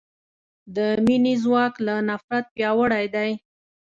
د مینې ځواک له نفرت پیاوړی دی.